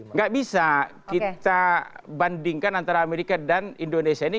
nggak bisa kita bandingkan antara amerika dan indonesia ini